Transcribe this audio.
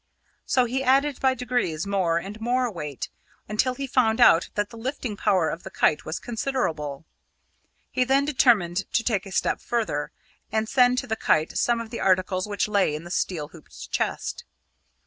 So he added by degrees more and more weight, until he found out that the lifting power of the kite was considerable. He then determined to take a step further, and send to the kite some of the articles which lay in the steel hooped chest.